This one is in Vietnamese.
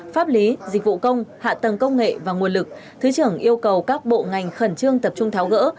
pháp lý dịch vụ công hạ tầng công nghệ và nguồn lực thứ trưởng yêu cầu các bộ ngành khẩn trương tập trung tháo gỡ